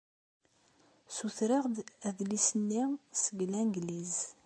Ssutreɣ-d adlis-nni seg Langliz.